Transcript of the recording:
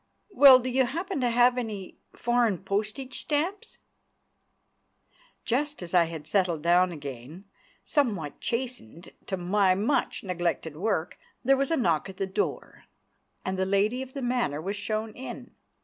"Well, do you happen to have any foreign postage stamps?" Just as I had settled down again, somewhat chastened, to my much neglected work, there was a knock at the door, and the lady of the manor was shown in.